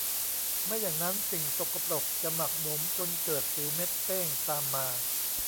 ไม่อย่างนั้นสิ่งสกปรกจะหมักหมมจนเกิดสิวเม็ดเป้งตามมา